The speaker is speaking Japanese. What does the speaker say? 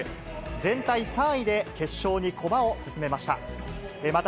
全体３位で決勝に駒を進めました。